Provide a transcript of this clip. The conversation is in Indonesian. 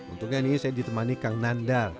untungnya nih saya ditemani kang nandal